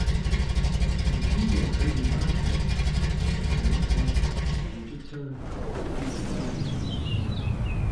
ИкӀи абы и мардэщ гъэсэныгъэр, укӀытэр, Ӏэдэбагъыр.